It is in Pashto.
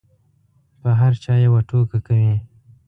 په هر چا یوه ټوکه کوي.